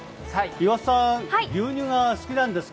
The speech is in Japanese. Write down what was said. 岩田さん、牛乳が好きなんですか？